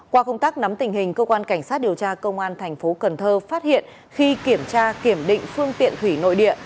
qua công tác nắm tình hình cơ quan cảnh sát điều tra công an tp hcm phát hiện khi kiểm tra kiểm định phương tiện thủy nội địa